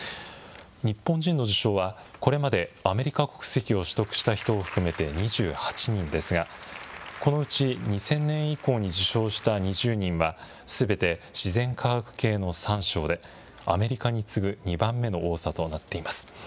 日本人の受賞はこれまでアメリカ国籍を取得した人を含めて２８人ですが、このうち２０００年以降に受賞した２０人は、すべて自然科学系の３賞で、アメリカに次ぐ２番目の多さとなっています。